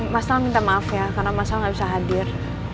mas sal minta maaf ya karena mas sal nggak bisa hadir